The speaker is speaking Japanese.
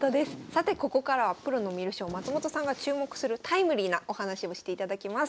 さてここからはプロの観る将松本さんが注目するタイムリーなお話をしていただきます。